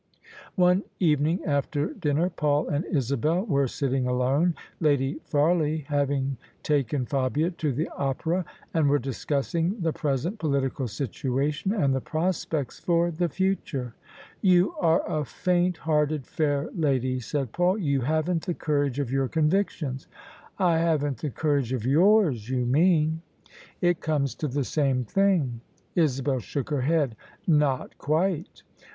One evening after dinner Paul and Isabel were sitting alone, Lady Farley having taken Fabia to the Opera: and were discussing the present political situation and the pros pects for the future. "You are a faint hearted fair lady," said Paul: "you haven't the courage of your convictions." " I haven't the courage of yours, you mean." " It comes to the same thing." Isabel shook her head. " Not quite."